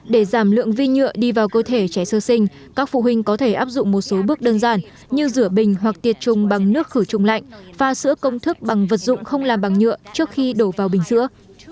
để giảm lượng vi nhựa đi vào cơ thể trẻ sơ sinh các phụ huynh có thể áp dụng một số bước đơn giản như rửa bình hoặc tiệt trùng bằng nước khử trùng lạnh pha sữa công thức bằng vật dụng không làm bằng nhựa trước khi đổ vào bình sữa